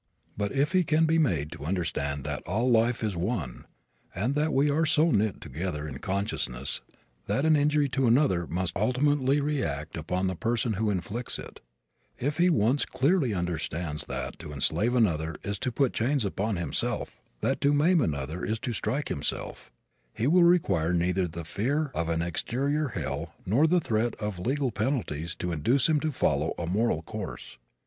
But if he can be made to understand that all life is one and that we are so knit together in consciousness that an injury to another must ultimately react upon the person who inflicts it; if he once clearly understands that to enslave another is to put chains upon himself, that to maim another is to strike himself, he will require neither the fear of an exterior hell nor the threat of legal penalties to induce him to follow a moral course.